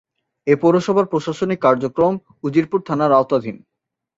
এ পৌরসভার প্রশাসনিক কার্যক্রম উজিরপুর থানার আওতাধীন।